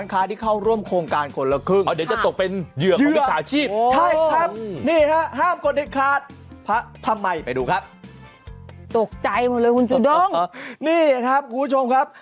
ครับ